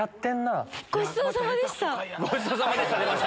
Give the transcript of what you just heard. ごちそうさまでした。